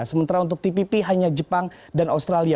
sementara untuk tpp hanya jepang dan australia